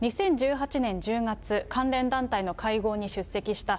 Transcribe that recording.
２０１８年１０月、関連団体の会合に出席した。